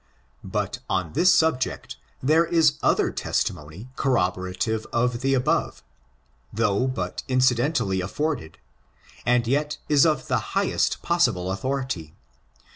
But on this subject there is other testimony corrob orative of the above, though but incidentally afibrd ed, and yet is of the highest possible authority.